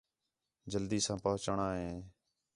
جلدی ساں پُہنچݨاں ہِے